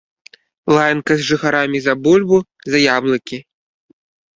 Лаянка з жыхарамі за бульбу, за яблыкі.